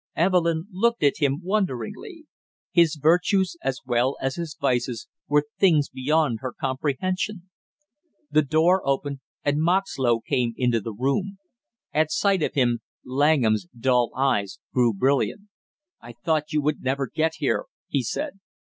Evelyn looked at him wonderingly. His virtues, as well as his vices, were things beyond her comprehension. The door opened, and Moxlow came into the room. At sight of him, Langham's dull eyes grew brilliant. "I thought you would never get here!" he said.